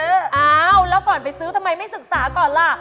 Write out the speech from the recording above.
อ้าวแล้วก่อนไปซื้อทำไมไม่ศึกษาก่อนล่ะ